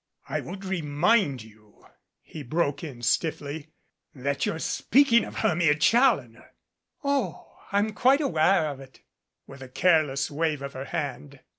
"I would remind you," he broke in stiffly, "that you're speaking of Hermia Challoner." "Oh, I'm quite aware' of it," with a careless wave of her hand.